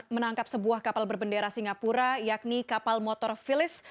menangkap sebuah kapal berbendera singapura yakni kapal motor filis